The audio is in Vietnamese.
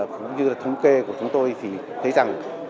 cũng như là thống kê của chúng tôi thì thấy rằng